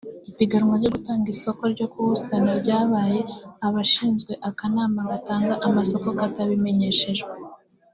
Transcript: ipiganwa ryo gutanga isoko ryo kuwusana ryabaye abashinzwe akanama gatanga amasoko katabimenyeshejwe